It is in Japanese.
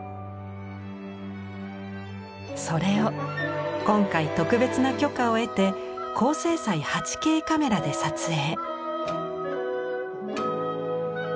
それを今回特別な許可を得て高精細８Ｋカメラで撮影。